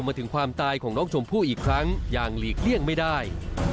มาถึงความตายของน้องชมพู่อีกครั้งอย่างหลีกเลี่ยงไม่ได้